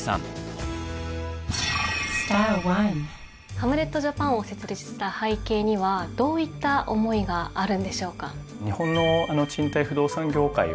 ＨｍｌｅｔＪａｐａｎを設立した背景にはどういった思いがあるんでしょうか？